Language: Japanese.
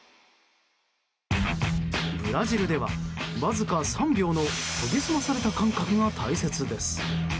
ブラジルでは、わずか３秒の研ぎ澄まされた感覚が大切です。